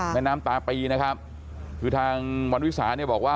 แม่น้ำตาปีนะครับคือทางวันวิสาเนี่ยบอกว่า